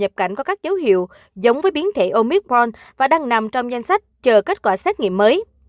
những bệnh nhân có các dấu hiệu giống với biến thể omicron và đang nằm trong danh sách chờ kết quả xét nghiệm mới